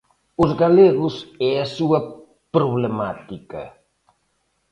Os galegos e a súa problemática.